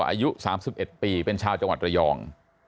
อายุ๓๑ปีเป็นชาวจังหวัดระยอง